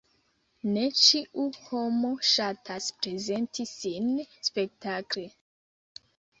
Ne ĉiu homo ŝatas prezenti sin spektakle.